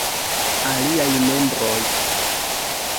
Aliaj membroj.